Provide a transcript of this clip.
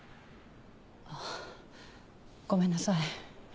あっごめんなさい。